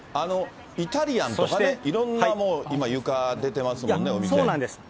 イタリアンとかね、いろんなもう床、お店出てますもんね。